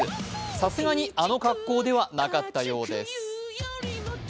さすがにあの格好ではなかったようです。